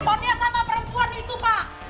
responnya sama perempuan itu pak